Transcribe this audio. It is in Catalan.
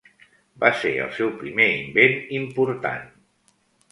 Va ser el seu primer invent important.